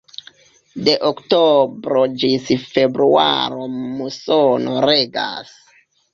De oktobro ĝis februaro musono regas.